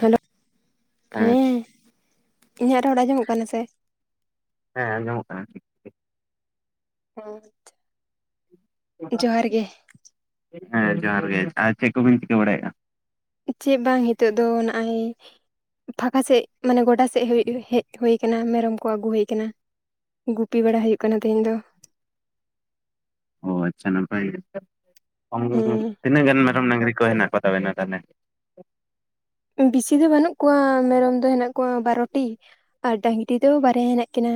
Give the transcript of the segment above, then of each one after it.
Hello ᱦᱮᱸ ᱤᱧᱟᱹᱜ ᱨᱚᱲ ᱟᱸᱡᱚᱢᱚᱜ ᱠᱟᱱᱟ ᱥᱮ ᱦᱮᱸ ᱟᱸᱡᱚᱢᱚᱜ ᱠᱟᱱᱟ [unintelligible] ᱡᱚᱦᱟᱨ ᱜᱮ ᱦᱮᱸ ᱡᱚᱦᱟᱨ ᱜᱮ ᱟᱨ ᱪᱮᱫ ᱠᱚᱵᱤᱱ ᱪᱤᱠᱟᱹ ᱵᱟᱲᱟᱭᱮᱫᱼᱟ? ᱪᱮ ᱵᱟᱝ ᱱᱤᱛᱚᱜ ᱫᱚ ᱱᱚᱜᱼᱚᱭ ᱯᱷᱟᱸᱠᱟ ᱥᱮᱫ ᱢᱟᱱᱮ ᱜᱚᱰᱟ ᱥᱮᱫ ᱦᱮᱡ ᱦᱩᱭ ᱟᱠᱟᱱᱟ ᱢᱮᱨᱚᱢ ᱠᱚ ᱟᱹᱜᱩ ᱦᱩᱭ ᱟᱠᱟᱱᱟ ᱜᱩᱯᱤ ᱵᱟᱲᱟ ᱦᱩᱭᱩᱜ ᱠᱟᱱᱟ ᱛᱮᱦᱮᱧ ᱫᱚ ᱚ ᱟᱪᱪᱷᱟ ᱱᱟᱯᱟᱭ ᱜᱮ ᱦᱮᱸ ᱛᱤᱱᱟᱹᱜ ᱜᱟᱱ ᱢᱮᱨᱚᱢ ᱰᱟᱝᱨᱤ ᱠᱚ ᱦᱮᱱᱟᱜ ᱠᱚ ᱛᱟᱵᱮᱱᱟ ᱛᱟᱦᱚᱞᱮ? ᱵᱤᱥᱤ ᱫᱚ ᱵᱟᱹᱱᱩᱜ ᱠᱚᱣᱟ ᱢᱮᱨᱚᱢ ᱫᱚ ᱦᱮᱱᱟᱜ ᱠᱚᱣᱟ ᱵᱟᱨᱚᱴᱤ ᱟᱨ ᱰᱟᱝᱨᱤ ᱫᱚ ᱵᱟᱨᱭᱟ ᱦᱮᱱᱟᱜ ᱠᱤᱱᱟ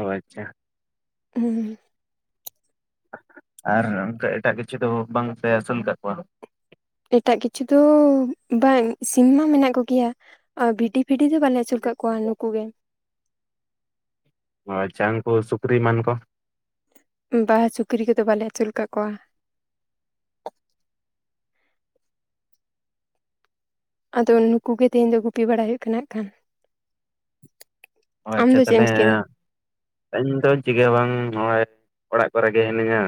ᱚ ᱟᱪᱪᱷᱟ ᱦᱩᱸ ᱟᱨ ᱚᱱᱠᱟ ᱮᱴᱟᱜ ᱠᱤᱪᱷᱩ ᱫᱚ ᱵᱟᱝ ᱯᱮ ᱟᱹᱥᱩᱞ ᱠᱟᱜ ᱠᱚᱣᱟᱹ? ᱮᱴᱟᱜ ᱠᱤᱪᱷᱩ ᱫᱚᱻ ᱵᱟᱝ ᱥᱤᱢ ᱢᱟᱹ ᱢᱮᱱᱟᱜ ᱠᱚ ᱜᱮᱭᱟ ᱟᱨ ᱵᱷᱤᱰᱤ ᱯᱷᱤᱰᱤ ᱫᱚ ᱵᱟᱞᱮ ᱟᱹᱥᱩᱞ ᱠᱟᱹ ᱠᱚᱣᱟ ᱱᱩᱠᱩ ᱜᱮ ᱚ ᱟᱪᱪᱷᱟ ᱩᱱᱠᱩ ᱥᱩᱠᱨᱤ ᱮᱢᱟᱱ ᱠᱚ? ᱵᱟ ᱥᱩᱠᱨᱤ ᱠᱚᱫᱚ ᱵᱟᱞᱮ ᱟᱹᱥᱩᱞ ᱟᱠᱟᱫ ᱠᱚᱣᱟ ᱟᱫᱚ ᱱᱩᱠᱩ ᱜᱮ ᱛᱮᱦᱮᱧ ᱫᱚ ᱜᱩᱯᱤ ᱵᱟᱲᱟ ᱦᱩᱭᱩᱜ ᱠᱟᱱᱟ ᱦᱟᱸᱜ ᱠᱷᱟᱱ ᱚ ᱟᱢ ᱟᱪᱪᱷᱟ ᱫᱚ ᱪᱮᱫ ᱛᱟᱦᱚᱞᱮ ᱮᱢ ᱪᱤᱠᱟᱹᱭᱮᱫᱟ ᱤᱧ ᱫᱚ ᱪᱤᱠᱟᱹ ᱦᱚᱸ ᱵᱟᱝ ᱱᱚᱜᱼᱚᱭ ᱚᱲᱟᱜ ᱠᱚᱨᱮ ᱜᱮ ᱦᱤᱱᱟᱹᱧᱟ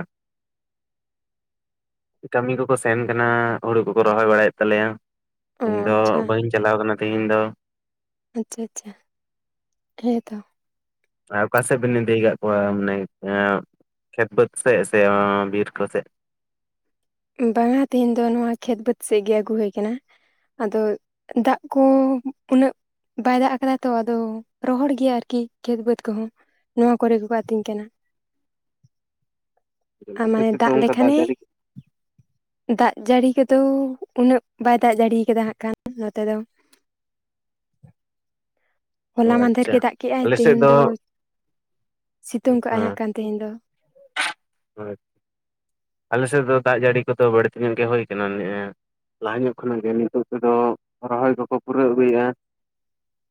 ᱠᱟᱹᱢᱤ ᱠᱚᱠᱚ ᱥᱮᱱ ᱠᱟᱱᱟᱹᱻ ᱦᱩᱲᱩ ᱠᱚᱠᱚ ᱨᱚᱦᱚᱭ ᱵᱟᱲᱟᱭᱮᱫ ᱛᱟᱞᱮᱭᱟ ᱚ ᱤᱧ ᱫᱚ ᱟᱪᱪᱷᱟ ᱵᱟᱹᱧ ᱪᱟᱞᱟᱣ ᱟᱠᱟᱱᱟ ᱛᱮᱦᱤᱧ ᱫᱚ ᱟᱪᱪᱷᱟᱼᱟᱪᱪᱷᱟ ᱦᱮᱸ ᱛᱚ ᱟᱨ ᱚᱠᱟ ᱥᱮᱫ ᱵᱮᱱ ᱤᱫᱤ ᱠᱟᱫ ᱠᱚᱣᱟ ᱢᱟᱱᱮ ᱠᱷᱮᱛ ᱵᱟᱹᱫᱽ ᱥᱮᱡ ᱥᱮ ᱵᱤᱨ ᱠᱚ ᱥᱮᱫ? ᱵᱟᱝᱟ ᱛᱮᱦᱮᱧ ᱫᱚ ᱱᱚᱣᱟ ᱠᱷᱮᱛ ᱵᱟᱹᱫᱽ ᱥᱮᱫ ᱜᱮ ᱟᱹᱜᱩ ᱦᱩᱭ ᱠᱟᱱᱟᱹ ᱟᱫᱚ ᱫᱟᱜ ᱠᱚ ᱩᱱᱟᱹᱜ᱾ ᱵᱟᱭ ᱫᱟᱜ ᱟᱠᱟᱫᱟ ᱛᱚ ᱟᱫᱚ ᱨᱚᱦᱚᱲ ᱜᱮᱭᱟ ᱟᱨᱠᱤ ᱠᱷᱮᱛ ᱵᱟᱹᱫᱽ ᱠᱚᱦᱚᱸ ᱱᱚᱣᱟ ᱠᱚᱨᱮ ᱜᱮᱠᱚ ᱟᱹᱛᱤᱧ ᱠᱟᱱᱟ ᱡᱮᱞᱟ᱾ ᱟᱨ ᱟᱯᱮ ᱢᱟᱱᱮ ᱥᱮᱫ ᱫᱚ ᱫᱟᱜ ᱚᱱᱠᱟ ᱞᱮᱠᱷᱟᱱᱮ ᱡᱟᱹᱲᱤ ᱫᱟᱜ ᱡᱟᱹᱲᱤ ᱠᱚᱫᱚ ᱩᱱᱟᱹᱜ ᱵᱟᱭ ᱫᱟᱜ ᱡᱟᱹᱲᱤ ᱠᱟᱫᱟ ᱦᱟᱜ ᱠᱷᱟᱱ ᱱᱚᱛᱮ ᱫᱚ ᱚ ᱦᱚᱞᱟ ᱢᱟᱫᱷᱮᱨ ᱟᱪᱪᱷᱟ ᱜᱮ ᱫᱟᱜ ᱠᱮᱜ ᱟᱭ ᱟᱞᱮ ᱥᱮᱫ ᱛᱮᱦᱮᱧ ᱫᱚ ᱥᱤᱛᱩᱝ ᱠᱟᱜ ᱟᱭ ᱦᱟᱸᱜ ᱦᱮᱸ ᱠᱷᱟᱱ ᱛᱮᱦᱮᱧ ᱫᱚ ᱦᱳᱭ ᱟᱞᱮ ᱥᱮᱫ ᱫᱚ ᱫᱟᱜ ᱡᱟᱹᱲᱤ ᱠᱚᱫᱚ ᱵᱟᱹᱲᱛᱤ ᱧᱚᱜ ᱜᱮ ᱦᱩᱭ ᱠᱟᱱᱟ ᱱᱮᱜ ᱮ ᱞᱟᱦᱟ ᱧᱚᱜ ᱠᱷᱚᱱᱟᱜ ᱜᱮ ᱱᱤᱛᱳᱜ ᱛᱮᱫᱚ ᱨᱚᱦᱚᱭ ᱠᱚᱠᱚ ᱯᱩᱨᱟᱹᱣ ᱟᱹᱜᱩᱭᱮᱫ-ᱟ᱾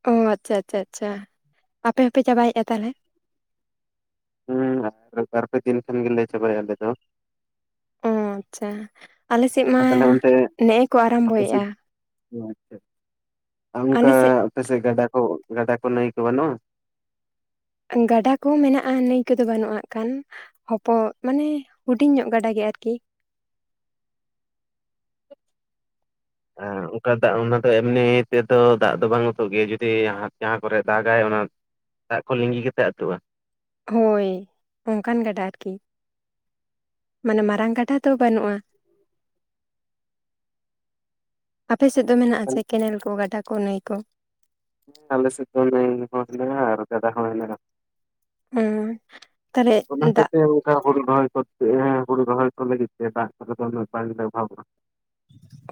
ᱚ ᱟᱪᱪᱷᱟ ᱟᱪᱪᱷᱟ ᱟᱪᱪᱷᱟ ᱟᱯᱮ ᱦᱚᱸᱯᱮ ᱪᱟᱵᱟᱭᱮᱫ-ᱟ ᱛᱟᱦᱚᱞᱮ ᱦᱩᱸ ᱟᱨ ᱵᱟᱨ ᱯᱮ ᱫᱤᱱ ᱠᱷᱟᱱ ᱜᱮᱞᱮ ᱪᱟᱵᱟᱭᱟ ᱟᱞᱮ ᱫᱚ ᱚ ᱟᱪᱪᱷᱟ ᱟᱞᱮ ᱥᱮᱫ ᱢᱟ ᱟᱨ ᱛᱟᱦᱚᱞᱮ ᱱᱮᱜ ᱮ ᱠᱚ ᱟᱨᱚᱢᱵᱷᱚᱭᱮᱫ-ᱟ᱾ ᱚ ᱟᱪᱪᱷᱟ ᱟ ᱚᱱᱠᱟ ᱟᱯᱮ ᱥᱮᱫ ᱜᱟᱰᱟ ᱠᱚ ᱜᱟᱰᱟ ᱠᱚ ᱱᱟᱹᱭ ᱠᱚ ᱵᱟᱹᱱᱩᱜ-ᱟ? ᱜᱟᱰᱟ ᱠᱚᱦᱚᱸ ᱢᱮᱱᱟᱜ-ᱟ ᱱᱟᱹᱭ ᱠᱚᱫᱚ ᱵᱟᱹᱱᱩᱜ ᱟ ᱦᱟᱜ ᱠᱷᱟᱱ ᱦᱚᱯᱚᱜ ᱢᱟᱱᱮ ᱦᱩᱰᱤᱧ ᱧᱚᱜ ᱜᱟᱰᱟ ᱜᱮ ᱟᱨᱠᱤ ᱮ ᱚᱱᱠᱟ ᱫᱟᱜ ᱚᱱᱟ ᱫᱚ ᱮᱢᱱᱤ ᱛᱮᱫᱚ ᱫᱟᱜ ᱫᱚ ᱵᱟᱝ ᱟᱹᱛᱩᱜ ᱜᱮᱭᱟ ᱡᱩᱫᱤ ᱡᱟᱦᱟᱸ ᱠᱚᱨᱮ ᱫᱟᱜᱟᱭ ᱚᱱᱟ ᱫᱟᱜ ᱠᱚ ᱞᱤᱸᱜᱤ ᱠᱟᱛᱮᱜ ᱟᱹᱛᱩᱜ-ᱟ᱾ ᱦᱳᱭ ᱚᱱᱠᱟᱱ ᱜᱟᱰᱟ ᱟᱨᱠᱤ ᱢᱟᱱᱮ ᱢᱟᱨᱟᱝ ᱜᱟᱰᱟ ᱫᱚ ᱵᱟᱹᱱᱩᱜ-ᱟ᱾ ᱟᱯᱮ ᱥᱮᱫ ᱫᱚ ᱢᱮᱱᱟᱜ ᱟᱥᱮ ᱠᱮᱱᱮᱞ ᱠᱚ ᱜᱟᱰᱟ ᱠᱚ ᱱᱟᱹᱭ ᱠᱚ? ᱟᱞᱮ ᱥᱮᱫ ᱫᱚ ᱱᱟᱹᱭ ᱦᱚᱸ ᱦᱮᱱᱟᱜ ᱟ ᱟᱨ ᱜᱟᱰᱟ ᱦᱚᱸ ᱦᱮᱱᱟᱜ-ᱟ᱾ ᱚ ᱛᱟᱦᱚᱞᱮ ᱚᱱᱟ ᱦᱚᱛᱮᱜ ᱫᱟᱜ ᱛᱮ ᱱᱮᱛᱟᱨ ᱦᱩᱲᱩ ᱨᱚᱦᱚᱭ ᱠᱚ [unintelligible] ᱞᱟᱹᱜᱤᱫ ᱛᱮ ᱫᱟᱜ ᱠᱚ ᱫᱚ ᱵᱟᱝ ᱞᱮ ᱚᱵᱷᱟᱵᱚᱜ ᱟ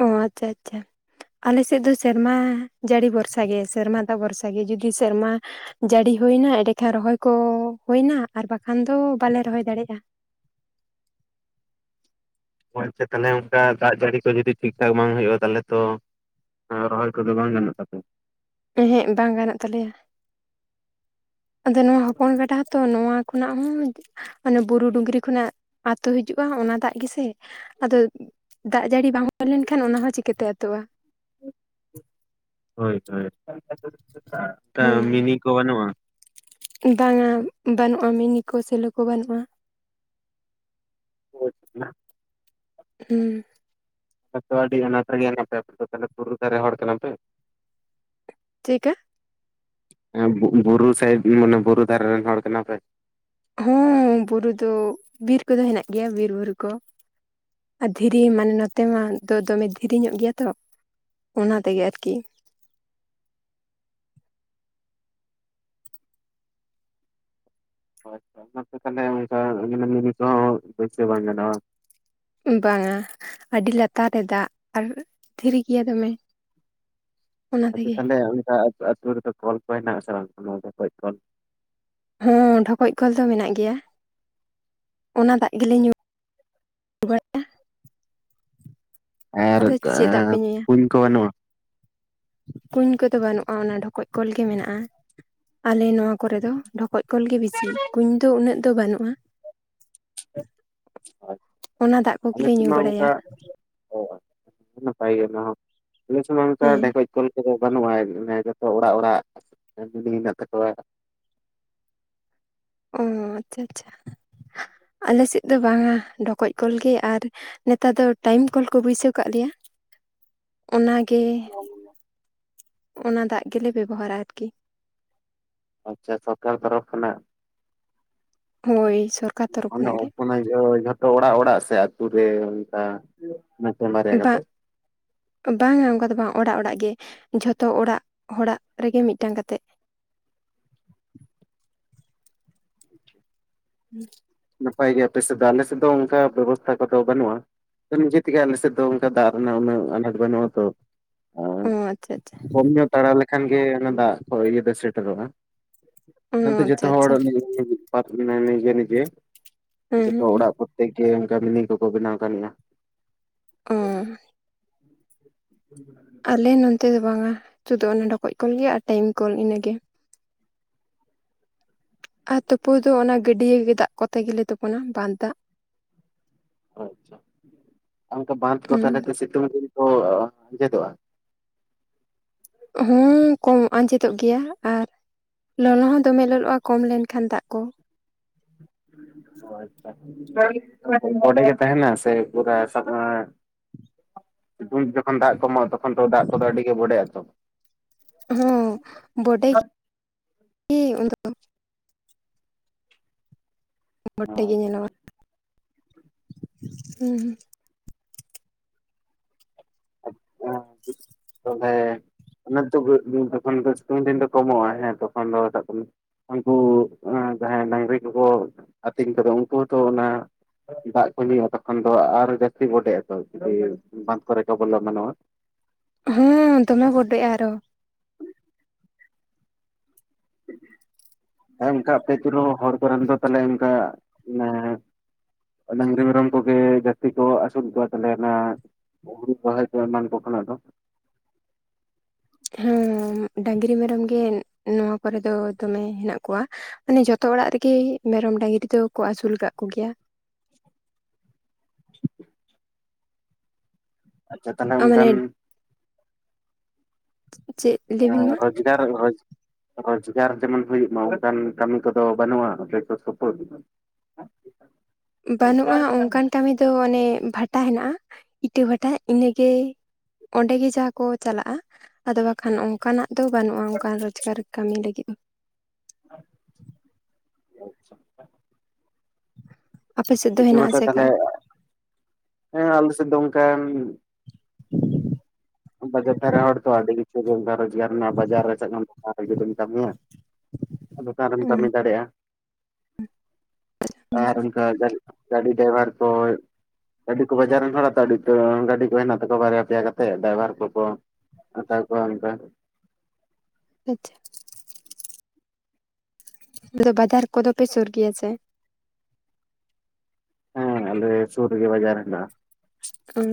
ᱚ ᱟᱪᱪᱷᱟ ᱟᱪᱪᱷᱟ ᱟᱞᱮ ᱥᱮᱫ ᱫᱚ ᱥᱮᱨᱢᱟ ᱡᱟᱹᱲᱤ ᱵᱷᱚᱨᱥᱟ ᱜᱮ ᱥᱮᱨᱢᱟ ᱫᱟᱜ ᱵᱷᱚᱨᱥᱟ ᱜᱮ ᱡᱩᱫᱤ ᱥᱮᱨᱢᱟ ᱡᱟᱹᱲᱤ ᱦᱩᱭᱱᱟ ᱮᱸᱰᱮᱠᱷᱟᱱ ᱨᱚᱦᱚᱭ ᱠᱚ ᱦᱩᱭᱱᱟ ᱟᱨ ᱵᱟᱠᱷᱟᱱ ᱫᱚ ᱵᱟᱞᱮ ᱨᱚᱦᱚᱭ ᱫᱟᱲᱮᱭᱟᱜ-ᱟ᱾ ᱚ ᱟᱪᱪᱷᱟ ᱛᱟᱦᱚᱞᱮ ᱚᱱᱠᱟ ᱫᱟᱜ ᱡᱟᱹᱲᱤ ᱠᱚ ᱡᱩᱫᱤ ᱴᱷᱤᱠ ᱴᱷᱟᱠ ᱵᱟᱝ ᱦᱩᱭᱩᱜ-ᱟ ᱛᱟᱦᱚᱞᱮ ᱛᱚ ᱦᱮᱸ ᱨᱚᱦᱚᱭ ᱠᱚᱫᱚ ᱵᱟᱝ ᱜᱟᱱᱚᱜ ᱛᱟᱯᱮᱭᱟ ᱮᱦᱮᱜ ᱵᱟᱝ ᱜᱟᱱᱚᱜ ᱛᱟᱞᱮᱭᱟ ᱟᱫᱚ ᱱᱚᱣᱟ ᱦᱚᱯᱚᱱ ᱜᱟᱰᱟ ᱦᱚᱸᱛᱚ ᱱᱚᱣᱟ ᱠᱷᱚᱱᱟᱜ ᱦᱚᱸ ᱚᱱᱮ ᱵᱩᱨᱩ ᱰᱩᱝᱨᱤ ᱠᱷᱚᱱᱟᱜ ᱟᱛᱳ ᱦᱤᱡᱩᱜ-ᱟ ᱚᱱᱟ ᱫᱟᱜ ᱜᱮᱥᱮ ᱟᱫᱚ ᱫᱟᱜ ᱡᱟᱹᱲᱤ ᱵᱟᱝ ᱦᱩᱭ ᱞᱮᱱᱠᱷᱟᱱ ᱚᱱᱟ ᱦᱚᱸ ᱪᱤᱠᱟᱹᱛᱮ ᱟᱹᱛᱳᱜ-ᱟ᱾ ᱦᱳᱭ ᱦᱳᱭ ᱚᱱᱠᱟ ᱦᱮᱸ ᱢᱤᱱᱤ ᱠᱚ ᱵᱟᱹᱱᱩᱜ-ᱟ? ᱵᱟᱝᱟ ᱵᱟᱹᱱᱩᱜ-ᱟ ᱢᱤᱱᱤ ᱠᱚ ᱥᱮᱞᱚ ᱠᱳ ᱵᱟᱹᱱᱩᱜ-ᱟ [unintelligible] ᱦᱩᱸ ᱟᱯᱮ ᱫᱚ ᱟᱰᱤ ᱟᱱᱟᱴ ᱨᱮᱜᱮ ᱦᱮᱱᱟᱯᱮ ᱟᱯᱮ ᱫᱚ ᱛᱟᱞᱦᱮ ᱵᱩᱨᱩ ᱫᱷᱟᱨᱮ ᱦᱚᱲ ᱠᱟᱱᱟᱯᱮ ᱪᱮᱜᱠᱟ ᱦᱮᱸ ᱵᱩᱜ ᱵᱩᱨᱩ ᱥᱟᱭᱤᱰ ᱢᱟᱱᱮ ᱵᱩᱨᱩ ᱫᱷᱟᱨᱮ ᱨᱮᱱ ᱦᱚᱲ ᱠᱟᱱᱟᱯᱮ ᱦᱚᱸᱻ ᱵᱩᱨᱩ ᱫᱚ ᱵᱤᱨ ᱠᱚᱫᱚ ᱦᱮᱱᱟᱜ ᱜᱮᱭᱟ ᱵᱤᱨᱵᱩᱨᱩ ᱠᱳ ᱟᱨ ᱫᱷᱤᱨᱤ ᱢᱟᱱᱮ ᱱᱚᱛᱮ ᱢᱟ ᱫᱚ ᱫᱚᱢᱮ ᱫᱷᱤᱨᱤ ᱧᱚᱜ ᱜᱮᱭᱟ ᱛᱚ ᱚᱱᱟ ᱛᱮᱜᱮ ᱟᱨᱠᱤ ᱚ ᱟᱪᱪᱷᱟ ᱚᱱᱟᱛᱮ ᱛᱟᱞᱦᱮ ᱚᱝᱠᱟ ᱢᱤᱱᱤ ᱠᱚᱦᱚᱸ ᱵᱟᱹᱭᱥᱟᱹᱣ ᱵᱟᱝ ᱜᱟᱱᱚᱜ-ᱟ ᱵᱟ ᱵᱟᱝᱟ ᱟᱹᱰᱤ ᱞᱟᱛᱟᱨ ᱨᱮ ᱫᱟᱜ ᱟᱨ ᱫᱷᱤᱨᱤ ᱜᱮᱭᱟ ᱫᱚᱢᱮ ᱚᱱᱟ ᱟᱪᱪᱷᱟ ᱛᱮᱜᱮ ᱛᱟᱞᱦᱮ ᱚᱝᱠᱟ ᱟᱛ-ᱟᱹᱛᱩ ᱨᱮᱫᱚ ᱠᱚᱞ ᱠᱚ ᱦᱮᱱᱟᱜ ᱟᱥᱮ ᱵᱟᱝ ᱚᱱᱟ ᱰᱷᱮᱠᱚᱡ ᱠᱚᱞ ᱦᱚᱸ ᱰᱷᱚᱠᱚᱡ ᱠᱚᱞ ᱫᱚ ᱢᱮᱱᱟᱜ ᱜᱮᱭᱟ ᱚᱱᱟ ᱫᱟᱜ ᱜᱮᱞᱮ ᱧᱩᱭ [unintelligible] ᱟᱨ ᱮᱻ ᱯᱮ ᱧᱩᱭᱟ ᱠᱩᱧ ᱠᱚ ᱵᱟᱹᱱᱩᱜ-ᱟ᱾ ᱠᱩᱧ ᱠᱚᱫᱚ ᱵᱟᱹᱱᱩᱜ-ᱟ ᱚᱱᱟ ᱰᱷᱚᱠᱚᱡ ᱠᱚᱞ ᱜᱮ ᱢᱮᱱᱟᱜ-ᱟ ᱟᱞᱮ ᱱᱚᱶᱟ ᱠᱚᱨᱮ ᱫᱚ ᱰᱷᱚᱠᱚᱡ ᱠᱚᱞ ᱜᱮ ᱵᱤᱥᱤ ᱠᱩᱧ ᱫᱚ ᱩᱱᱟᱹᱜ ᱫᱚ ᱵᱟᱹᱱᱩᱜ-ᱟ᱾ ᱟᱪᱪᱷᱟ ᱚᱱᱟ ᱫᱟᱜ ᱠᱚᱜᱮᱞᱮ ᱟᱞᱮᱥᱮᱜ ᱧᱩ ᱢᱟ ᱚᱝᱠᱟ ᱵᱟᱲᱟᱭᱟ [unintelligible] ᱱᱟᱯᱟᱭ ᱜᱮ ᱚᱱᱟ ᱦᱚᱸ ᱤᱱᱟᱹ ᱥᱚᱢᱚᱭ ᱚᱝᱠᱟ ᱦᱮᱸ ᱰᱷᱮᱠᱚᱡ ᱠᱚᱞ ᱠᱚᱫᱚ ᱵᱟᱹᱱᱩᱜ-ᱟ ᱚᱱᱮ ᱡᱚᱛᱚ ᱚᱲᱟᱜ ᱚᱲᱟᱜ [unintelligible] ᱦᱮᱱᱟᱜ ᱛᱟᱠᱚᱣᱟ᱾ ᱚᱻ ᱟᱪᱪᱷᱟ ᱟᱪᱷᱟ ᱟᱞᱮ ᱥᱮᱫ ᱫᱚ ᱵᱟᱝᱟ ᱰᱷᱚᱠᱚᱡ ᱠᱚᱞ ᱜᱮ ᱟᱨᱼᱼ ᱱᱮᱛᱟᱨ ᱫᱚ ᱴᱟᱭᱤᱢ ᱠᱚᱞ ᱠᱚ ᱵᱟᱹᱭᱥᱟᱹᱣ ᱠᱟᱜ ᱞᱮᱭᱟ, ᱚᱱᱟᱼᱼ ᱜᱮᱻ ᱚᱱᱟ ᱫᱟᱜ ᱜᱮᱞᱮ ᱵᱮᱵᱚᱦᱟᱨᱟ ᱟᱨᱠᱤ ᱾ ᱟᱪᱪᱷᱟ ᱥᱚᱨᱠᱟ ᱛᱚᱨᱚᱯᱷ ᱠᱷᱚᱱᱟᱜ? ᱦᱳᱭ ᱥᱚᱨᱼᱼ ᱚᱱᱮ [unintelligible] ᱡᱷᱚᱛᱚ ᱚᱲᱟᱜ ᱚᱲᱟᱜ ᱥᱮ ᱟᱛᱩ ᱨᱮ ᱚᱱᱠᱟᱼᱼ ᱢᱮᱫᱴᱮᱱ ᱵᱟᱨᱭᱟ ᱵᱟᱝ ᱠᱟᱛᱮᱜ? ᱵᱟᱝᱟ ᱚᱝᱠᱟ ᱫᱚ ᱵᱟᱝᱟ ᱚᱲᱟᱜ ᱚᱲᱟᱜ ᱜᱮ ᱡᱷᱚᱛᱚ ᱚᱲᱟᱜ ᱦᱚᱲᱟᱜ ᱨᱮᱜᱮ ᱢᱤᱫᱴᱟᱝ ᱠᱟᱛᱮᱜ ᱾ ᱦᱩᱸ ᱾ ᱱᱟᱯᱟᱭ ᱜᱮ ᱟᱯᱮ ᱥᱮᱫ ᱫᱚ, ᱟᱞᱮ ᱥᱮᱫ ᱫᱚ ᱚᱝᱠᱟ ᱵᱮᱵᱚᱥᱛᱷᱟ ᱠᱚᱫᱚ ᱵᱟᱹᱱᱩᱜᱼᱟ ᱾ ᱛᱚ ᱱᱤᱡᱮ ᱛᱮᱜᱮ ᱟᱞᱮ ᱥᱮᱫ ᱫᱚ ᱚᱝᱠᱟ ᱫᱟᱜ ᱨᱮᱱᱟᱜ ᱩᱱᱟᱹᱜ ᱟᱱᱟᱴ ᱵᱟᱹᱱᱩᱜᱼᱟ ᱛᱚ ᱾ ᱚᱻ ᱟᱪᱪᱷᱟ ᱟᱪᱪᱷᱟ ᱾ ᱠᱚᱢ ᱧᱚᱜ ᱛᱟᱲᱟᱣ ᱞᱮᱠᱷᱟᱱ ᱜᱮ ᱚᱱᱟ ᱫᱟᱜ ᱠᱚ ᱤᱭᱟᱹ ᱫᱚ ᱥᱮᱴᱮᱨᱚᱜᱼᱟ ᱾ ᱚ ᱚᱱᱟᱛᱮ ᱡᱚᱛᱚ ᱟᱪᱪᱷᱟ ᱦᱚᱲ ᱟᱪᱪᱷᱟ [unintelligible] ᱱᱤᱡᱮ ᱱᱤᱡᱮ ᱾ ᱦᱮᱸ ᱡᱚᱛᱚ ᱦᱮᱸ ᱦᱮᱸ ᱚᱲᱟᱜ ᱯᱚᱨᱛᱮᱠ ᱜᱮ ᱚᱝᱠᱟ ᱢᱤᱱᱤ ᱠᱚᱠᱚ ᱵᱮᱱᱟᱣ ᱠᱟᱜ ᱞᱮᱭᱟ ᱾ ᱚᱻ [unintelligible] ᱟᱞᱮ ᱱᱚᱱᱛᱮ ᱫᱚ ᱵᱟᱝᱟ, ᱥᱩᱫᱩ ᱚᱱᱟ ᱰᱷᱚᱠᱚᱡ ᱠᱚᱞ ᱜᱮ ᱟᱨ ᱴᱟᱭᱤᱢ ᱠᱚᱞ ᱤᱱᱟᱹᱜᱮ ᱾ ᱟᱨ ᱛᱩᱯᱩ ᱫᱚ ᱚᱱᱟ ᱜᱟᱹᱰᱭᱟᱹᱜᱮ ᱫᱟᱜ ᱠᱚᱛᱮ ᱜᱮᱞᱮ ᱛᱩᱯᱩᱱᱟ ᱵᱟᱸᱫ ᱫᱟᱜ ᱾ ᱟᱪᱪᱷᱟ ᱚᱝᱠᱟ ᱵᱟᱸᱫᱷ ᱠᱚ ᱛᱟᱞᱦᱮ ᱫᱚ ᱥᱤᱛᱩᱝ ᱫᱤᱱ ᱫᱚ ᱟᱸᱡᱮᱫᱚᱜᱼᱟ ᱾ ᱦᱩᱸᱻ ᱠᱚᱸ ᱟᱸᱡᱮᱫᱚᱜ ᱜᱮᱭᱟ ᱟᱨᱼᱼ ᱞᱚᱞᱚ ᱦᱚᱸ ᱫᱚᱢᱮ ᱞᱚᱞᱚᱜᱼᱟ ᱠᱚᱢ ᱞᱮᱱᱠᱷᱟᱱ ᱫᱟᱜ ᱠᱚ ᱾ ᱦᱳᱭ ᱾ [unintelligible] ᱵᱚᱰᱮ ᱜᱮ ᱛᱟᱦᱮᱱᱟ ᱥᱮ ᱯᱩᱨᱟ ᱥᱟᱯᱟᱸᱻ ᱥᱤᱛᱩᱝ ᱡᱚᱠᱷᱚᱱ ᱫᱟᱜ ᱠᱚᱢᱚᱜᱼᱟ ᱛᱚᱠᱷᱚᱱ ᱛᱚ ᱫᱟᱜ ᱠᱚᱫᱚ ᱟᱹᱰᱤ ᱜᱮ ᱵᱚᱰᱮᱜ ᱟᱛᱚ ᱾ ᱦᱚᱸᱻ ᱵᱚᱰᱮ [inaudible] ᱜᱮ [unintelligible] ᱼᱼ ᱵᱚᱰᱮ ᱜᱮ ᱧᱮᱞᱚᱜᱼᱟ, ᱦᱩᱸᱼᱼ [inaudible] ᱛᱚᱞᱦᱮᱻ [unintelligible] ᱥᱤᱛᱩᱝ ᱫᱤᱱ ᱫᱚ ᱠᱚᱢᱚᱜᱼᱟ ᱦᱮᱸ ᱛᱚᱠᱷᱚᱱ ᱫᱚ [unintelligible] ᱩᱱᱠᱩ ᱡᱟᱦᱟᱸᱭ ᱰᱟᱝᱨᱤ ᱠᱚᱠᱚ ᱟᱛᱤᱧ ᱠᱚᱫᱚ ᱩᱱᱠᱩ ᱦᱚᱸᱛᱚ ᱚᱱᱟᱼᱼ ᱫᱟᱜ ᱠᱚ ᱧᱩᱭᱟ ᱛᱚᱠᱷᱚᱱ ᱫᱚ ᱟᱨ ᱦᱚᱸ ᱡᱟᱹᱥᱛᱤ ᱵᱚᱰᱮᱜᱼᱟ ᱛᱚ ᱡᱩᱫᱤ ᱵᱟᱸᱫᱷ ᱠᱚᱨᱮ ᱠᱚ ᱵᱚᱞᱚ ᱮᱢᱟᱱᱚᱜᱼᱟ᱾ ᱦᱩᱸᱻ ᱫᱚᱢᱮ ᱵᱚᱰᱮᱜᱼᱟ ᱟᱨᱚ ᱾ ᱦᱮᱸ ᱚᱱᱠᱟ ᱟᱯᱮ ᱟᱛᱩ ᱨᱮᱦᱚ ᱦᱚᱲ ᱠᱚᱨᱮᱱ ᱫᱚ ᱫᱚ ᱛᱟᱞᱦᱮ ᱚᱝᱠᱟ ᱢᱟᱱᱮ ᱰᱟᱝᱨᱤ ᱢᱮᱨᱚᱢ ᱠᱚᱜᱮ ᱡᱟᱹᱥᱛᱤ ᱠᱚ ᱟᱹᱥᱩᱞ ᱠᱚᱣᱟ ᱛᱟᱞᱮ ᱚᱱᱟ [unintelligible] ᱮᱢᱟᱱ ᱠᱚ ᱠᱷᱚᱱᱟᱜ ᱫᱚ ᱦᱮᱸ ᱰᱟᱝᱨᱤ ᱢᱮᱨᱚᱢ ᱜᱮ ᱱᱚᱣᱟ ᱠᱚᱨᱮ ᱫᱚ ᱫᱚᱢᱮ ᱦᱮᱱᱟᱜ ᱠᱚᱣᱟ, ᱢᱟᱱᱮ ᱡᱚᱛᱚ ᱚᱲᱟᱜ ᱨᱮᱜᱮ ᱢᱮᱨᱚᱢ ᱰᱟᱹᱝᱨᱤ ᱫᱚ ᱠᱚ ᱟᱹᱥᱩᱞ ᱠᱟᱜ ᱠᱚ ᱜᱮᱭᱟ᱾ ᱟᱪᱪᱷᱟ ᱛᱟᱞᱦᱮ ᱢᱟᱱᱮ ᱚᱝᱠᱟᱱ ᱪᱮᱫ? ᱞᱟᱹᱭ ᱵᱤᱱ ᱮᱸᱻ ᱢᱟ ᱨᱚᱡᱽᱜᱟᱨ ᱨᱚᱡᱽ ᱨᱚᱡᱽᱜᱟᱨ ᱡᱮᱢᱚᱱ ᱦᱩᱭᱩᱜ ᱢᱟ ᱚᱱᱠᱟᱱ ᱠᱟᱹᱢᱤ ᱠᱚᱫᱚ ᱵᱟᱹᱱᱩᱜᱼᱟ ᱟᱯᱮ ᱥᱩᱨ ᱥᱩᱯᱩᱨ? ᱵᱟᱹᱱᱩᱜᱼᱟ ᱚᱝᱠᱟᱱ ᱠᱟᱹᱢᱤ ᱫᱚ ᱢᱟᱱᱮ ᱵᱷᱟᱴᱟ ᱦᱮᱱᱟᱜᱼᱟ ᱤᱴᱟᱹ ᱵᱷᱟᱴᱟ ᱤᱱᱟᱹᱜᱮ ᱚᱸᱰᱮ ᱜᱮ ᱡᱟᱦᱟᱸ ᱠᱚ ᱪᱟᱞᱟᱜᱼᱟ ᱟᱫᱚ ᱵᱟᱠᱷᱟᱱ ᱚᱝᱠᱟᱱᱟᱜ ᱫᱚ ᱵᱟᱹᱱᱩᱜᱼᱟ ᱚᱝᱠᱟᱱ ᱨᱚᱡᱽᱜᱟᱨ ᱠᱟᱹᱢᱤ ᱞᱟᱹᱜᱤᱫ ᱾ [unintelligible] ᱟᱪᱪᱷᱟ ᱾ ᱟᱯᱮ ᱥᱮᱫ ᱫᱚ ᱤᱴᱟᱹ ᱦᱮᱱᱟᱜ ᱵᱷᱟᱴᱟ ᱟᱥᱮ ᱠᱟ? ᱛᱟᱞᱦᱮ ᱦᱮᱸ ᱟᱞᱮ ᱥᱮᱜ ᱫᱚ ᱚᱝᱠᱟᱱ ᱵᱟᱡᱟᱨ ᱫᱷᱟᱨᱮ ᱦᱚᱲ ᱛᱚ ᱟᱹᱰᱤ ᱠᱤᱪᱷᱩ ᱜᱮ ᱜᱷᱟᱨᱚᱸᱡ ᱜᱟᱨ ᱨᱮᱱᱟᱜ ᱵᱟᱡᱟᱨ ᱨᱮ ᱪᱮᱫ ᱮᱢ [unintelligible] ᱠᱟᱹᱢᱤᱭᱟ, ᱫᱚᱠᱟᱱ ᱨᱮᱢ ᱚᱸ ᱠᱟᱹᱢᱤ ᱫᱟᱲᱮᱭᱟᱜᱼᱟ᱾ ᱟᱨ ᱚᱱᱠᱟ ᱜᱟᱜ ᱜᱟᱹᱰᱤ ᱰᱟᱭᱵᱷᱟᱨ ᱠᱚᱻ ᱟᱹᱰᱤ ᱠᱚ ᱵᱟᱡᱟᱨ ᱨᱮᱱ ᱦᱚᱲᱟ ᱛᱚ ᱜᱟᱹᱰᱤ ᱠᱚ ᱦᱮᱱᱟᱜ ᱛᱟᱠᱚᱣᱟ ᱵᱟᱨᱭᱟ ᱯᱮᱭᱟ ᱠᱟᱛᱮᱜ ᱰᱟᱭᱵᱷᱟᱨ ᱠᱚᱠᱚ ᱦᱟᱛᱟᱣ ᱠᱚᱣᱟ ᱚᱝᱠᱟ ᱟᱪᱷᱟ [unintelligible] ᱟᱫᱚ ᱵᱟᱡᱟᱨ ᱠᱚᱫᱚ ᱯᱮ ᱥᱩᱨ ᱜᱮᱭᱟ ᱥᱮ ᱦᱮᱸ ᱟᱞᱮ ᱥᱩᱨ ᱨᱮᱜᱮ ᱵᱟᱡᱟᱨ ᱦᱮᱱᱟᱜᱼᱟ᱾ ᱚᱸ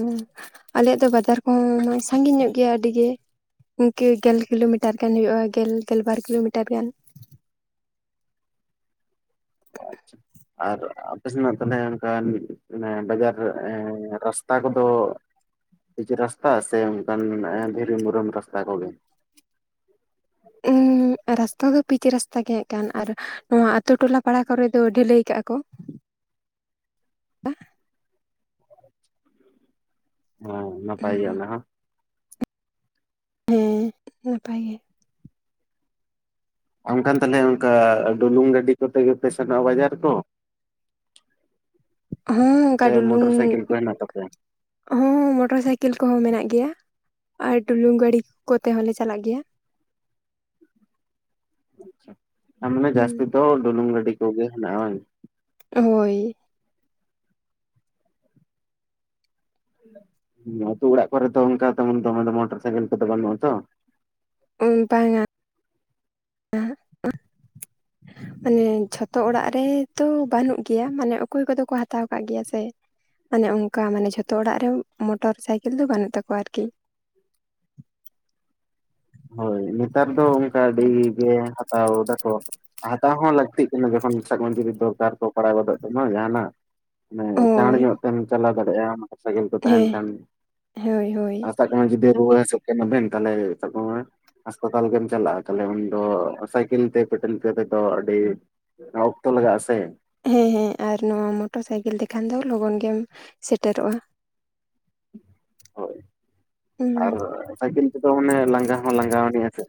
ᱟᱞᱮᱭᱟᱜ ᱫᱚ ᱵᱟᱡᱟᱨ ᱠᱚᱦᱚᱸ ᱥᱟᱺᱜᱤᱧ ᱧᱚᱜ ᱜᱮᱭᱟ ᱟᱹᱰᱤᱜᱮ ᱤᱝᱠᱟᱹ ᱜᱮᱞ ᱠᱤᱞᱳᱢᱤᱴᱟᱨ ᱜᱟᱱ ᱦᱩᱭᱩᱜᱭᱼᱟ ᱜᱮᱞ ᱜᱮᱞ ᱵᱟᱨ ᱠᱤᱞᱳᱢᱤᱴᱟᱨ ᱜᱟᱱ᱾ ᱟᱪᱪᱷᱟ᱾ ᱟᱨ ᱟᱯᱮ ᱥᱮᱱᱟᱜ ᱛᱟᱞᱦᱮ ᱚᱝᱠᱟᱱ ᱵᱟᱡᱟᱨ ᱮᱸ ᱨᱟᱥᱛᱟ ᱠᱚᱫᱚ ᱯᱤᱸᱪ ᱨᱟᱥᱛᱟ ᱥᱮ ᱚᱝᱠᱟᱱ ᱮᱸ ᱫᱷᱤᱨᱤ ᱢᱩᱨᱚᱢ ᱨᱟᱥᱛᱟ ᱠᱚᱜᱮ ᱩᱸ ᱨᱟᱥᱛᱟ ᱫᱚ ᱯᱤᱸᱪ ᱨᱟᱥᱛᱟ ᱜᱮ ᱦᱮᱜ ᱠᱟᱱ ᱟᱨ ᱱᱚᱣᱟ ᱟᱛ ᱛᱩ ᱴᱚᱞᱟ ᱯᱟᱲᱟ ᱠᱚᱨᱮ ᱫᱚ ᱰᱷᱟᱹᱞᱟᱹᱭ ᱠᱟᱜᱼᱟ ᱠᱚ᱾ ᱦᱮᱸ ᱱᱟᱯᱟᱭ ᱜᱮ ᱚᱱᱟ ᱦᱚᱸ ᱦᱮᱸ ᱱᱟᱯᱟᱭ ᱜᱮ ᱚᱝᱠᱟᱱ ᱛᱟᱞᱦᱮ ᱚᱝᱠᱟ ᱰᱩᱞᱩᱝ ᱜᱟᱹᱰᱤ ᱠᱚᱛᱮ ᱜᱮᱯᱮ ᱥᱮᱱᱚᱜᱼᱟ ᱵᱟᱡᱟᱨ ᱠᱚ ᱦᱮᱸ ᱚᱝᱠᱟ ᱥᱮ ᱰᱩᱞᱩᱝ ᱢᱚᱴᱚᱨ ᱥᱟᱭᱠᱮᱞ ᱠᱚ ᱦᱮᱱᱟᱜ ᱛᱟᱯᱮᱭᱟ ᱦᱚᱸ ᱢᱚᱴᱚᱨ ᱥᱟᱭᱠᱮᱞ ᱠᱚᱦᱚᱸ ᱢᱮᱱᱟᱜ ᱜᱮᱭᱟ ᱟᱨ ᱰᱩᱞᱩᱝ ᱜᱟᱹᱲᱤ ᱠᱚᱛᱮ ᱦᱚᱸᱞᱮ ᱪᱟᱞᱟᱜ ᱜᱮᱭᱟ᱾ ᱟᱪᱪᱷᱟ ᱢᱟᱱᱮ ᱦᱩᱸ ᱡᱟᱹᱥᱛᱤ ᱫᱚ ᱰᱚᱞᱩᱝ ᱜᱟᱰᱤ ᱠᱚᱜᱮ ᱦᱮᱱᱟᱜᱼᱟ ᱦᱟᱝ ᱦᱳᱭ ᱦᱚ ᱟᱹᱛᱩ ᱚᱲᱟᱜ ᱠᱚᱨᱮ ᱫᱚ ᱚᱝᱠᱟ ᱛᱢᱚᱱ ᱫᱚᱢᱮ ᱫᱚ ᱢᱚᱴᱚᱨ ᱥᱟᱭᱠᱮᱞ ᱠᱚᱫᱚ ᱵᱟᱹᱱᱩᱜᱼᱟ ᱛᱚ᱾ ᱩ ᱵᱟᱝᱟ᱾ ᱢᱟᱱᱮ ᱡᱷᱚᱛᱚ ᱚᱲᱟᱜ ᱨᱮᱛᱚ ᱵᱟᱹᱱᱩᱜ ᱜᱮᱭᱟ ᱢᱟᱱᱮ ᱚᱠᱚᱭ ᱠᱚᱫᱚ ᱠᱚ ᱦᱟᱛᱟᱣ ᱠᱟᱜ ᱜᱮᱭᱟ ᱥᱮ ᱚᱱᱮ ᱚᱱᱠᱟ ᱢᱟᱱᱮ ᱡᱷᱚᱛᱚ ᱚᱲᱟᱜ ᱨᱮ ᱢᱚᱴᱚᱨ ᱥᱟᱭᱠᱮᱞ ᱫᱚ ᱵᱟᱹᱱᱩᱜ ᱛᱟᱠᱚᱣᱟ ᱟᱨᱠᱤ ᱦᱳᱭ ᱱᱮᱛᱟᱨ ᱫᱚ ᱚᱝᱠᱟ ᱟᱹᱰᱤ ᱜᱮ ᱦᱟᱛᱟᱣ ᱫᱟᱠᱚ ᱦᱟᱛᱟᱣ ᱦᱚᱸ ᱞᱟᱹᱠ ᱛᱤᱜ ᱠᱟᱱᱟ ᱡᱚᱠᱷᱚᱱ ᱥᱟᱠ ᱠᱟᱢ ᱡᱩᱫᱤ ᱫᱚᱨᱠᱟᱨ ᱠᱚ ᱯᱟᱲᱟᱣ ᱜᱚᱫᱚᱜ ᱛᱟᱢᱟ ᱡᱟᱦᱟᱱᱟᱜ ᱢᱟᱱᱮ ᱪᱟᱬ ᱦᱳᱭ ᱧᱚᱜ ᱛᱮᱢ ᱪᱟᱞᱟᱣ ᱫᱟᱲᱮᱜᱼᱟ ᱢᱚᱴᱚᱨ ᱥᱟᱭᱠᱮᱞ ᱠᱚ ᱛᱟᱦᱮᱱ ᱦᱮᱸ ᱠᱷᱟᱱ ᱦᱳᱭ ᱦᱳᱭ ᱟᱥ ᱥᱟᱵ ᱠᱟᱜ ᱢᱮ ᱡᱩᱫᱤ ᱨᱩᱣᱟᱹ ᱦᱟᱥᱩᱜ ᱠᱟᱱᱟᱵᱮᱱ ᱛᱟᱞᱦᱮ ᱥᱟᱵ ᱠᱟᱜ ᱢᱮ ᱦᱟᱸᱥᱯᱟᱛᱟᱞ ᱵᱮᱱ ᱪᱟᱞᱟᱜᱼᱟ ᱛᱟᱞᱦᱮ ᱩᱱᱫᱚ ᱥᱟᱭᱠᱮᱞ ᱛᱮ ᱯᱮᱰᱮᱞ ᱠᱟᱛᱮ ᱫᱚ ᱟᱹᱰᱤ ᱚᱠᱛᱚ ᱞᱟᱜᱟᱜᱼᱟ ᱥᱮ ᱦᱮᱸ ᱦᱮᱸ ᱟᱨ ᱱᱚᱣᱟ ᱢᱚᱴᱚᱨ ᱥᱟᱭᱠᱮᱞ ᱛᱮᱠᱷᱟᱱ ᱫᱚ ᱞᱚᱜᱚᱱ ᱜᱮᱢ ᱥᱮᱴᱮᱨᱚᱜᱼᱟ᱾ ᱦᱳᱭ ᱦᱩᱸ ᱟᱨ ᱥᱟᱭᱠᱮᱞ ᱛᱮᱫᱚ ᱢᱟᱱᱮ ᱞᱟᱸᱜᱟ ᱦᱚᱸ ᱞᱟᱸᱜᱟᱭᱟᱱᱡ ᱟᱥᱮ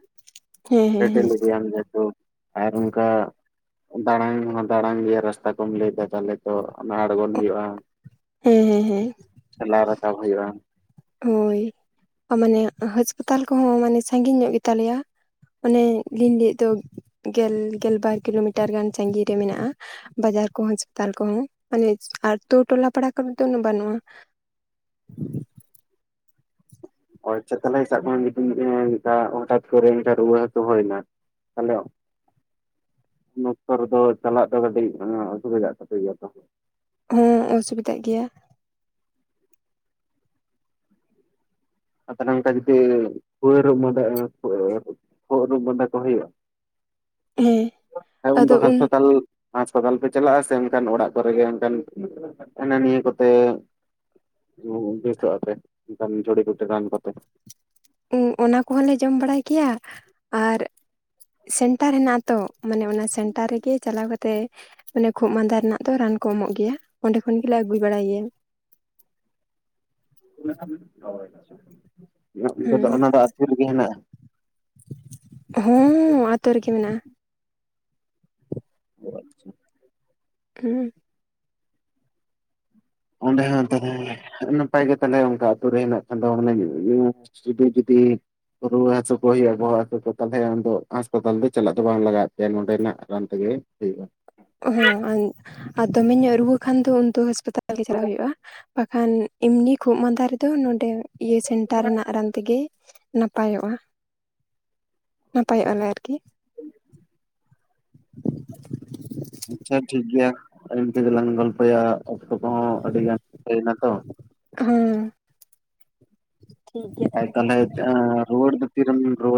ᱦᱮᱸ ᱦᱮᱸ ᱯᱮᱰᱮᱞ ᱦᱮᱸ ᱤᱫᱤᱭᱟᱢ ᱡᱮᱦᱮᱛᱩ ᱟᱨ ᱚᱝᱠᱟ᱾ ᱫᱟᱟᱲᱟᱝ ᱦᱚᱸ ᱫᱟᱟᱲᱟᱝ ᱜᱮ ᱨᱟᱥᱛᱟ ᱠᱚᱢ ᱞᱟᱹᱭᱟ ᱫᱟ ᱛᱟᱦᱚᱞᱮ ᱛᱚ ᱚᱱᱟ ᱟᱲᱜᱚᱱ ᱦᱩᱭᱩᱜᱼᱟ᱾ ᱦᱮᱸ ᱦᱮᱸ ᱦᱮᱸ ᱴᱷᱮᱞᱟᱣ ᱨᱟᱠᱟᱵ ᱦᱩᱭᱩᱜᱼᱟ ᱦᱳᱭ ᱢᱟᱱᱮ ᱦᱟᱥᱯᱟᱛᱟᱞ ᱠᱚᱦᱚᱸ ᱢᱟᱱᱮ ᱥᱟᱺᱜᱤᱧ ᱧᱚᱜ ᱜᱮᱛᱟᱞᱮᱭᱟ᱾ ᱚᱱᱮ ᱞᱤᱧ ᱞᱮᱭ ᱮᱫ ᱫᱚ ᱜᱮᱞ ᱜᱮᱞ ᱵᱟᱨ ᱠᱤᱞᱳᱢᱤᱴᱟᱨ ᱜᱟᱱ ᱥᱟᱺᱜᱤᱧ ᱨᱮ ᱢᱮᱱᱟᱜᱼᱟ ᱵᱟᱡᱟᱨ ᱠᱚᱸ ᱦᱟᱥᱯᱟᱛᱟᱞ ᱠᱚᱦᱚᱸ ᱢᱟᱱᱮ ᱟᱹᱛᱩ ᱴᱚᱞᱟ ᱯᱟᱲᱟ ᱠᱚᱨᱮ ᱫᱚ ᱩᱱᱟᱹᱜ ᱵᱟᱹᱱᱩᱜᱼᱟ᱾ ᱦᱳᱭᱛᱚ ᱛᱟᱦᱚᱞᱮ ᱥᱟᱵ ᱢᱮ [unintelligible] ᱦᱚᱴᱟᱛ ᱠᱚᱨᱮ ᱨᱩᱣᱟᱹ ᱦᱟᱹᱥᱩ ᱦᱩᱭᱮᱱᱟ᱾ ᱦᱮᱞᱳ ᱩᱱ ᱚᱠᱛᱚ ᱨᱮᱫᱚ ᱪᱟᱞᱟᱜ ᱫᱚ ᱠᱟᱹᱴᱤᱡ ᱚᱥᱩᱵᱤᱫᱟᱜ ᱛᱟᱯᱮ ᱜᱮᱭᱟ ᱛᱚ ᱦᱚᱸ ᱚᱥᱩᱵᱤᱫᱟᱜ ᱜᱮᱭᱟ ᱟ ᱛᱟᱦᱚᱞᱮ ᱚᱱᱠᱟ ᱡᱩᱫᱤ ᱠᱷᱩᱭᱟ ᱨᱩᱜ ᱢᱟᱸᱫᱟ ᱠᱷᱳᱜ ᱨᱩᱜ ᱢᱟᱸᱫᱟ ᱠᱚ ᱦᱩᱭᱩᱜᱼᱟ᱾ ᱦᱮᱸ ᱟᱨ ᱩᱱᱫᱚ ᱟᱫᱚ ᱩᱱ ᱦᱟᱸᱥᱯᱟᱛᱟᱞ ᱦᱟᱸᱟᱥᱯᱟᱛᱟᱞ ᱯᱮ ᱪᱟᱞᱟᱜᱼᱟ ᱥᱮ ᱮᱱᱠᱟᱱ ᱚᱲᱟᱜ ᱠᱚᱨᱮᱜᱮ ᱠᱟᱱ ᱦᱟᱱᱟ ᱱᱤᱭᱟᱹ ᱠᱚᱛᱮ ᱦᱩ ᱵᱮᱥᱚ-ᱟᱯᱮ ᱚᱱᱠᱟᱱ ᱡᱩᱲᱤ-ᱯᱩᱴᱤ ᱨᱟᱱ ᱠᱚᱛᱮ ᱚᱱᱟ ᱠᱚᱦᱚᱸ ᱞᱮ ᱡᱚᱢ ᱵᱟᱲᱟᱭ ᱜᱮᱭᱟ ᱟᱨ ᱥᱮᱱᱴᱟᱨ ᱦᱮᱱᱟᱜ-ᱟ ᱛᱚ ᱢᱟᱱᱮ ᱚᱱᱟ ᱥᱮᱱᱴᱟᱨ ᱨᱮᱜᱮ ᱪᱟᱞᱟᱣ ᱠᱟᱛᱮᱜ ᱢᱟᱱᱮ ᱠᱷᱩᱜ ᱢᱟᱸᱫᱟ ᱨᱮᱱᱟᱜ ᱫᱚ ᱨᱟᱱ ᱠᱚ ᱮᱢᱚᱜ ᱜᱮᱭᱟ ᱚᱸᱰᱮ ᱠᱷᱚᱱ ᱜᱮᱞᱮ ᱟᱹᱜᱩᱭ ᱵᱟᱲᱟᱭ ᱜᱮᱭᱟ ᱦᱮᱸ [unintelligible] ᱚᱱᱟ ᱫᱚ ᱟᱛ ᱨᱮᱜᱮ ᱦᱮᱱᱟᱜᱼᱟ ᱦᱚᱸ ᱟᱛᱳ ᱨᱮᱜᱮ ᱢᱮᱱᱟᱜᱼᱟ ᱚ ᱟᱪᱪᱷᱟ ᱦᱩ ᱚᱸᱰᱮ ᱦᱚᱸ ᱛᱟᱦᱞᱮ ᱱᱟᱯᱟᱭ ᱜᱮ ᱛᱟᱦᱞᱮ ᱚᱱᱠᱟ ᱟᱛᱩᱨ ᱨᱮ ᱦᱮᱱᱟᱜ ᱠᱷᱟᱱ ᱫᱚ ᱢᱟᱱᱮ ᱤᱭᱟ ᱥᱩᱫᱩ ᱡᱩᱫᱤ ᱨᱩᱣᱟᱹ ᱦᱟᱹᱥᱩ ᱠᱚ ᱦᱩᱭᱩᱜᱼᱟ ᱵᱚᱦᱚᱜ ᱦᱟᱹᱥᱩ ᱠᱚ ᱛᱟᱦᱚᱞᱮ ᱟᱫᱚ ᱦᱟᱸᱟᱥᱯᱟᱛᱟᱞ ᱫᱚ ᱪᱟᱞᱟᱜ ᱫᱚ ᱵᱟᱝ ᱞᱟᱜᱟᱣᱮᱫ ᱯᱮᱭᱟ ᱱᱚᱸᱰᱮ ᱱᱟᱜ ᱨᱟᱱ ᱛᱮ ᱜᱮ [unintelligible] ᱚ ᱦᱚᱸ ᱟᱨ ᱫᱚᱢᱮ ᱧᱚᱜ ᱨᱩᱣᱟᱹ ᱠᱷᱟᱱ ᱫᱚ ᱩᱱ ᱫᱚ ᱦᱟᱸᱟᱥᱯᱟᱛᱟᱞ ᱜᱮ ᱪᱟᱞᱟᱜ ᱦᱩᱭᱩᱜᱼᱟ ᱵᱟᱠᱷᱟᱱ ᱮᱢᱱᱤ ᱠᱷᱩᱜ ᱢᱟᱸᱫᱟ ᱨᱮᱫᱚ ᱱᱚᱰᱮ ᱤᱭᱟᱹ ᱥᱮᱱᱴᱟᱨ ᱨᱮᱱᱟᱜ ᱨᱟᱱ ᱛᱮᱜᱮ ᱱᱟᱯᱟᱭᱚᱜᱼᱟ ᱱᱟᱯᱟᱭᱚᱜᱼᱟ ᱞᱮ ᱟᱨᱠᱤ [inaudible] ᱟᱪᱪᱷᱟ ᱴᱷᱤᱠᱜᱮᱭᱟ ᱤᱱᱠᱟᱹ ᱜᱮᱞᱟᱝ ᱜᱚᱞᱯᱚᱭᱟ ᱚᱠᱛᱚ ᱠᱚᱦᱚᱸ ᱟᱹᱰᱤ ᱜᱟᱱ ᱦᱳᱭᱮᱱᱟ ᱛᱚ ᱦᱚᱸ ᱴᱤᱠᱜᱮᱭᱟ ᱟᱨ ᱛᱟᱦᱞᱮ ᱟᱸ ᱨᱩᱭᱟᱲ ᱫᱟ ᱛᱤ ᱨᱮᱢ ᱨᱩᱣ